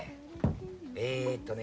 えーっとね。